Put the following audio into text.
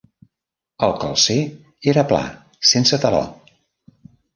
El calcer era pla, sense taló.